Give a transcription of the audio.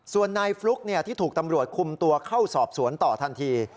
ส่วนนายฟลุ๊กที่ถูกตำรวจคุมตัวเข้าสอบสวนต่อทันที